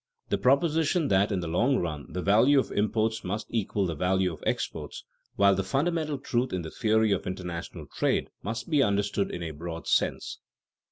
_ The proposition that in the long run the value of imports must equal the value of exports, while the fundamental truth in the theory of international trade, must be understood in a broad sense.